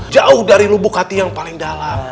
jauh dari lubuk hati yang paling dalam